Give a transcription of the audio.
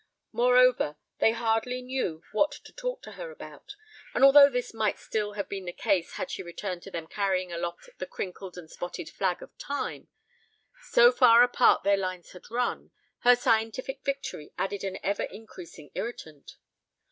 Moreover, they hardly knew what to talk to her about, and although this might still have been the case had she returned to them carrying aloft the crinkled and spotted flag of time, so far apart their lines had run, her scientific victory added an ever increasing irritant.